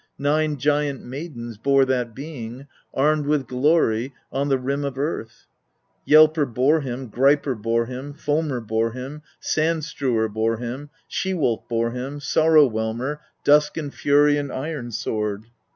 Nine giant maidens bore that being armed with glory on the rim of earth. 12. Yelper bore him, Griper bore him, Foamer bore him, Sand strewer bore him, She wolf bore him, Sorrow whelmer, Dusk and Fury and Ironsword.